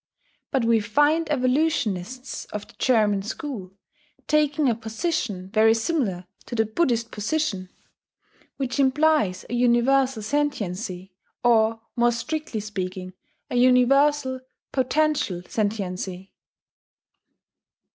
But we find evolutionists of the German school taking a position very similar to the Buddhist position, which implies a universal sentiency, or, more strictly speaking, a universal potential sentiency.